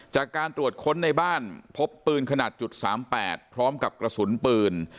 จากการตรวจค้นในบ้านพบปืนขนาด๓๘พร้อมกับกระสุนปืน